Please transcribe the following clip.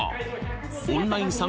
オンラインです